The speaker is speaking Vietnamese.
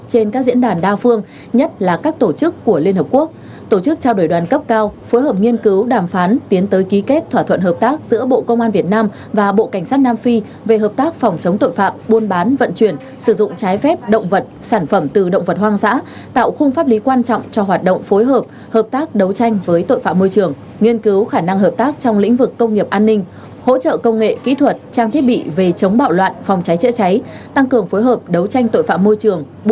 các diễn đàn đa phương nhất là các tổ chức của liên hợp quốc tổ chức trao đổi đoàn cấp cao phối hợp nghiên cứu đàm phán tiến tới ký kết thỏa thuận hợp tác giữa bộ công an việt nam và bộ cảnh sát nam phi về hợp tác phòng chống tội phạm buôn bán vận chuyển sử dụng trái phép động vật sản phẩm từ động vật hoang dã tạo khung pháp lý quan trọng cho hoạt động phối hợp hợp tác đấu tranh với tội phạm môi trường nghiên cứu khả năng hợp tác trong lĩnh vực công nghiệp an ninh hỗ tr